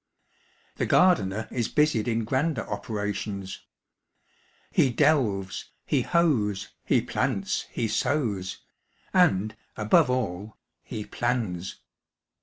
The gardener is busied in grander operations. He delves, he hoes, he plants, he sows, and, above all, he plans.